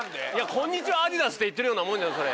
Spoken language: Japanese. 「こんにちはアディダス」って言ってるようなもんじゃんそれ。